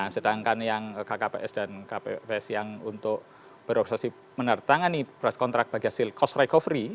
sedangkan yang kkps dan kkps yang untuk beroperasi menandatangani kontrak bagi hasil cost recovery